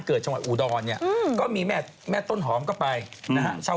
เกิดชะวัยอูดรเนี่ยก็มีแม่ต้นหอมก็ไปนะฮะ